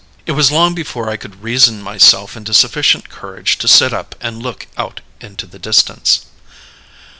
It was long before I could reason myself into sufficient courage to sit up and look out into the distance.